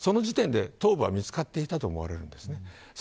その時点で頭部が見つかっていたと思います。